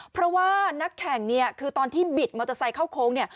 เพราะว่านักแข่งเนี่ยคือตอนที่บิดมอเตอร์ไซค์เข้าโค้งเนี่ย